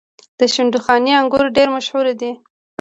د شندخاني انګور ډیر مشهور دي.